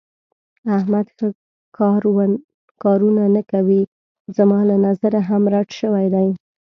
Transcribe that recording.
احمد ښه کارونه نه کوي. زما له نظره هم رټ شوی دی.